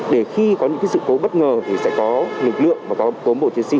để khi có những sự cố bất ngờ thì sẽ có lực lượng và có bộ truyền sĩ